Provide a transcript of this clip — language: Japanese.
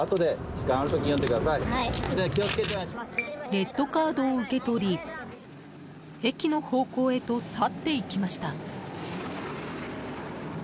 レッドカードを受け取り駅の方向へと去っていきました。